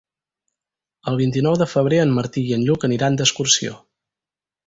El vint-i-nou de febrer en Martí i en Lluc aniran d'excursió.